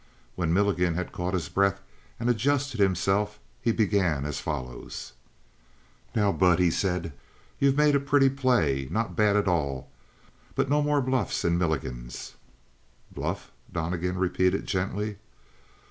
When Milligan had caught his breath and adjusted himself, he began as follows: "Now, Bud," he said, "you've made a pretty play. Not bad at all. But no more bluffs in Milligan's." "Bluff!" Donnegan repeated gently.